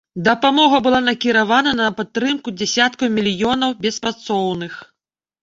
Дапамога была накіравана на падтрымку дзясяткаў мільёнаў беспрацоўных.